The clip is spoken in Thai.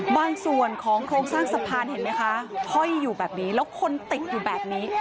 บางส่วนของโครงสร้างสะพานเห็นไหมคะห้อยอยู่แบบนี้แล้วคนติดอยู่แบบนี้